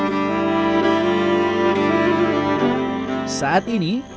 saat ini populasi tarsius di belitung juga terkena